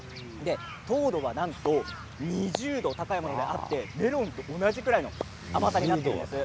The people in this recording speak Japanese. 糖度がなんと２０度と高いものがあってメロンと同じぐらいの甘さなんです。